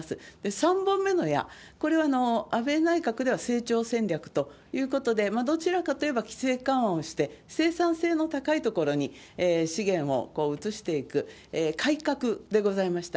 ３本目の矢、これは安倍内閣では成長戦略ということで、どちらかといえば規制緩和をして、生産性の高いところに資源を移していく改革でございました。